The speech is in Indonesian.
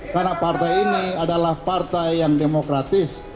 karena partai ini adalah partai yang demokratis